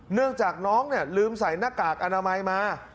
เนื่องจากน้องลืมใส่หน้ากากอนามัยมา